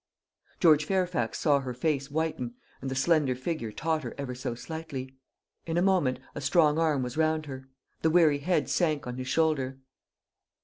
George Fairfax saw her face whiten, and the slender figure totter ever so slightly. In a moment a strong arm was round her. The weary head sank on his shoulder.